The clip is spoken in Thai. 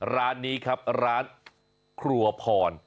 ร้านนี้ครับร้านครัวพร